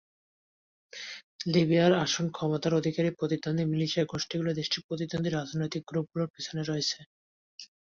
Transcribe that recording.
লিবিয়ার আসল ক্ষমতার অধিকারী প্রতিদ্বন্দ্বী মিলিশিয়া গোষ্ঠীগুলো দেশটির প্রতিদ্বন্দ্বী রাজনৈতিক গ্রুপগুলোর পেছনে রয়েছে।